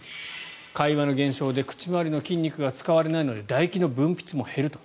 会話の減少で口周りの筋肉が使われないのでだ液の分泌も減ると。